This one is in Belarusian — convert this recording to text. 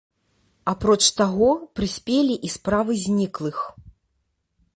Апроч таго, прыспелі і справы зніклых.